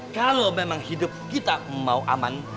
kalau memang hidup kita mau aman